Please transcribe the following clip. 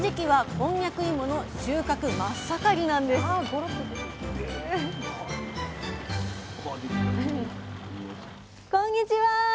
こんにちは。